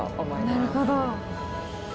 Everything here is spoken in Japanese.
なるほど。